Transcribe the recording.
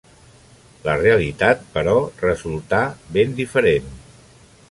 La realitat, però, resultà ben diferent.